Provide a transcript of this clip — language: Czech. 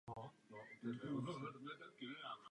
Své domácí zápasy odehrával na stadionu The City Ground.